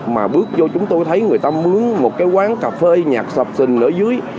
mà bước vô chúng tôi thấy người ta mướn một cái quán cà phê nhạc sập xình ở dưới